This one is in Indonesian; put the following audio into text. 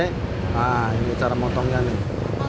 nah ini cara motongnya nih